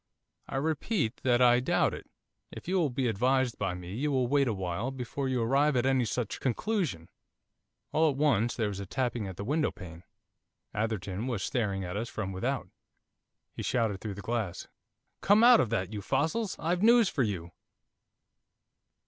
'I repeat that I doubt it. If you will be advised by me you will wait awhile before you arrive at any such conclusion.' All at once there was a tapping at the window pane. Atherton was staring at us from without. He shouted through the glass, 'Come out of that, you fossils! I've news for you!